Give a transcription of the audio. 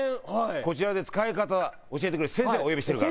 こちらで使い方教えてくれる先生をお呼びしてるから。